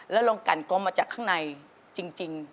แล้วลงกันกลมมาจากข้างในจริง